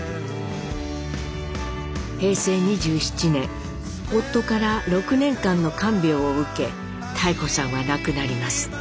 平成２７年夫から６年間の看病を受け妙子さんは亡くなります。